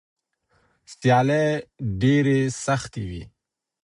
سیالۍ ډېرې سختې وي.